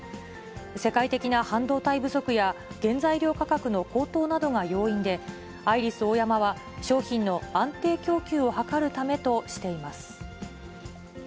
世界的な半導体不足や、原材料価格の高騰などが要因で、アイリスオーヤマは、商品の安定供給を図るためとしています。